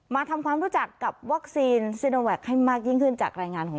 มาทำความรู้จักกับวัคซีนโนแวก